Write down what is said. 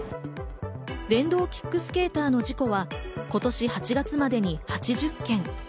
電動キックスケーターの事故は今年８月までに８０件。